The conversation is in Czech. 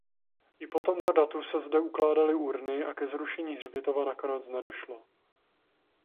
I po tomto datu se zde ukládaly urny a ke zrušení hřbitova nakonec nedošlo.